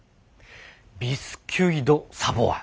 ビスキュイ・ド・サヴォワ。